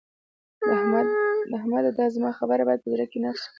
احمده! دا زما خبره بايد په زړه کې نقش کړې.